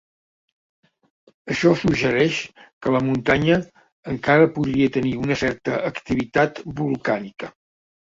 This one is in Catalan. Això suggereix que la muntanya encara podria tenir una certa activitat volcànica.